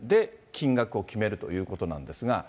金額を決めるということなんですが。